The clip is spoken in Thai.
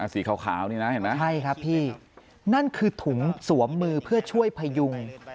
สีขาวนี่นะเห็นไหมใช่ครับพี่นั่นคือถุงสวมมือเพื่อช่วยพยุง